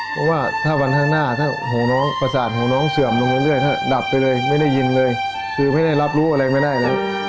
เพราะว่าถ้าวันทางหน้าน้องชื่อมลงด้วยถ้าดับไปเลยไม่ได้ยินเลยคือไม่ได้รับรู้อะไรมายังไง